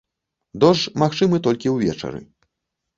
Дождж магчымы толькі ўвечары.